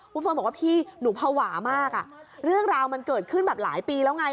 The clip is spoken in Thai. คุณเฟิร์นบอกว่าพี่หนูภาวะมากอ่ะเรื่องราวมันเกิดขึ้นแบบหลายปีแล้วไง